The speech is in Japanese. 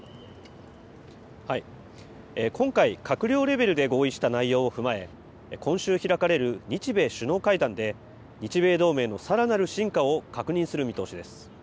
今回、閣僚レベルで合意した内容を踏まえ、今週開かれる日米首脳会談で、日米同盟のさらなる深化を確認する見通しです。